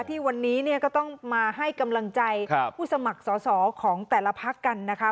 ที่วันนี้เนี่ยก็ต้องมาให้กำลังใจผู้สมัครสอสอของแต่ละพักกันนะคะ